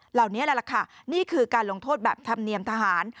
เหล่านี้แหละค่ะนี่คือการลงโทษแบบธรรมเนียมทหาร